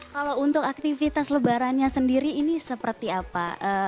kalau untuk aktivitas lebarannya sendiri ini seperti apa